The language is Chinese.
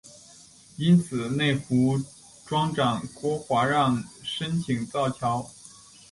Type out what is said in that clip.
因此内湖庄长郭华让申请造桥。